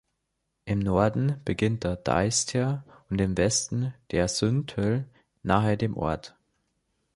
Im Norden beginnt der Deister und im Westen der Süntel nahe dem Ort.